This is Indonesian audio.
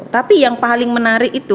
tapi yang paling menarik itu